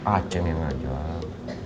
aceh yang ngajak